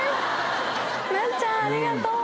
なっちゃんありがとう！